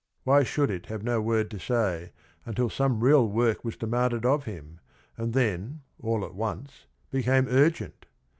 Why should it have no word to say until some real work was de manded of him, and then all at once become urgent?